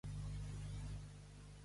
Només l'inspecciona el professor Birack?